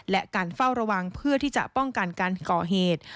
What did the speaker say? และการเฝ้าระวังเพื่อที่จะป้องกันการก่อเหตุ